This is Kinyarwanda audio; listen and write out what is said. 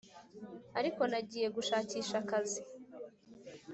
ariko nagiye gushakisha akazi,